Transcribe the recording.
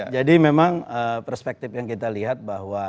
jadi memang perspektif yang kita lihat bahwa